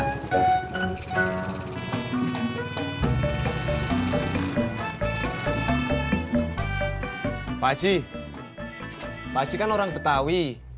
kenapa enggak dagang kerak telur orang betawi